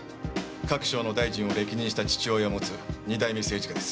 各省の大臣を歴任した父親を持つ２代目政治家です。